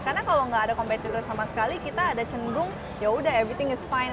karena kalau enggak ada kompetitor sama sekali kita ada cenderung ya udah everything is fine